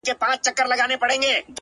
• تاته سلام په دواړو لاسو كوم،